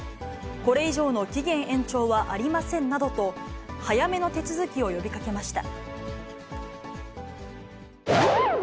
これ以上の期限延長はありませんなどと、早めの手続きを呼びかけました。